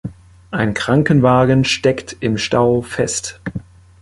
Ein Krankenwagen steckt im Stau fest.